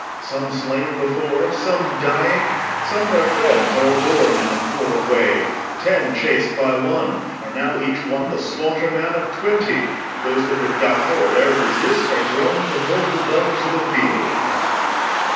Some slain before, some dying, some their friends O'erborne i' th' former wave. Ten chas'd by one Are now each one the slaughterman of twenty. Those that would die or ere resist are grown The mortal bugs o' th' field. LORD.